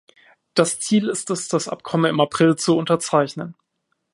Das Ziel ist es, das Abkommen im April zu unterzeichnen.